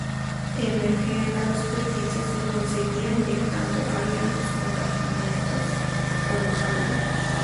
Emerger a la superficie se conseguía inyectando aire a los compartimentos con una bomba.